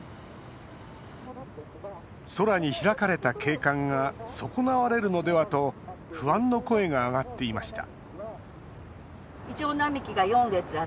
空に開かれた景観が損なわれるのではと不安の声が上がっていました